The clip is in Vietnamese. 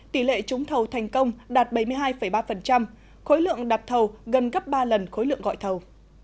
tỷ lệ trúng thầu thành công đạt bảy mươi hai ba khối lượng đạp thầu gần gấp ba lần khối lượng gọi thầu